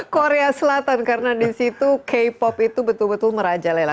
korea selatan karena di situ k pop itu betul betul merajalela